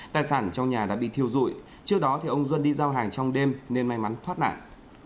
tài sản trong nhà đã bị thiêu dụi trước đó ông duân đi giao hàng trong đêm nên may mắn thoát nạn